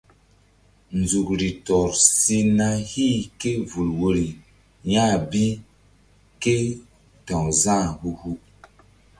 Nzukri tɔr si na hih ké vul woiri ya̧h bi ké ta̧w Za̧h hu hu.